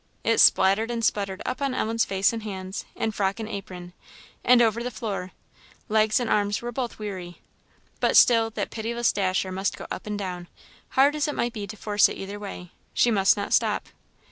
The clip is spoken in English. It splattered and sputtered up on Ellen's face and hands, and frock and apron, and over the floor; legs and arms were both weary; but still that pitiless dasher must go up and down, hard as it might be to force it either way she must not stop.